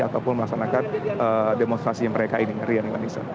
ataupun melaksanakan demonstrasi yang mereka ingin